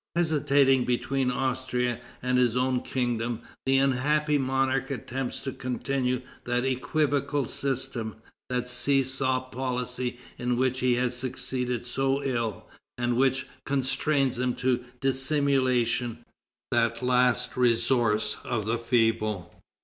Hesitating between Austria and his own kingdom, the unhappy monarch attempts to continue that equivocal system, that see saw policy in which he has succeeded so ill, and which constrains him to dissimulation, that last resource of the feeble.